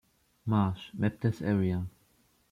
Marsh, mapped this area.